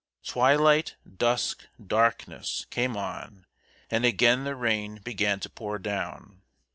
] Twilight, dusk, darkness, came on, and again the rain began to pour down.